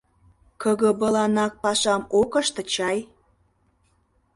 КГБ-ланак пашам ок ыште чай?»